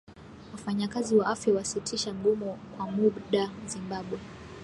Wafanyakazi wa afya wasitisha mgomo kwa muda Zimbabwe